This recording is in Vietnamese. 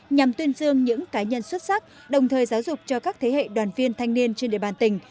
nhằm tuyên dương những cá nhân xuất sắc đồng thời giáo dục cho các thế hệ đoàn viên thanh niên trên địa bàn tỉnh